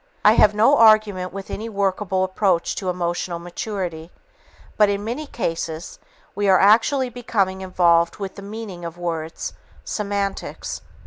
I have no argument with any workable approach to emotional maturity, but in many cases we are actually becoming involved with the meaning of words (semantics).